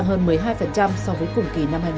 hơn một mươi hai so với cùng kỳ năm hai nghìn hai mươi một